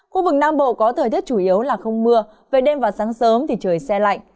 khu vực nam bộ có thời tiết chủ yếu là không mưa về đêm và sáng sớm thì trời xe lạnh